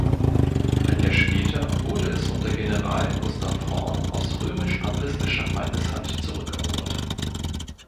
Ein Jahr später wurde es unter General Gustaf Horn aus römisch-papistischer Feindeshand zurückerobert.